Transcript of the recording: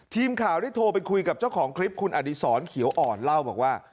ทีมข่าวได้โทรไปคุยกับเจ้าของคลิปคุณอดีศรเขียวอ่อนเล่าบอกว่า